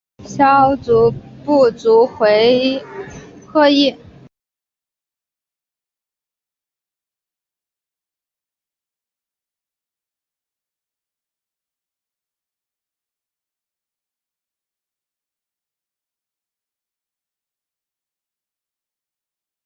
他被控欺诈破产并被通缉。